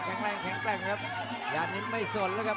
ประโยชน์ทอตอร์จานแสนชัยกับยานิลลาลีนี่ครับ